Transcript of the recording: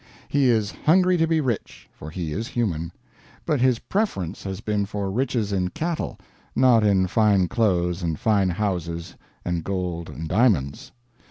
He is hungry to be rich, for he is human; but his preference has been for riches in cattle, not in fine clothes and fine houses and gold and diamonds.